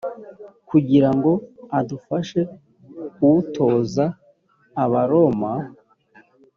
kugira ngo adufashe kuwutoza abaroma